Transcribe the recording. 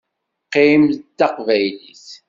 Qqim d Taqbaylit.